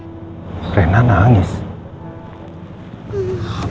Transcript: nanti kutipan aku nangis ya